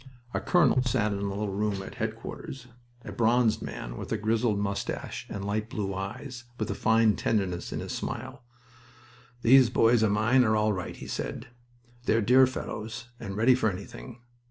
The colonel sat in a little room at headquarters, a bronzed man with a grizzled mustache and light blue eyes, with a fine tenderness in his smile. "These boys of mine are all right," he said. "They're dear fellows, and ready for anything.